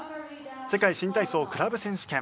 世界新体操クラブ選手権。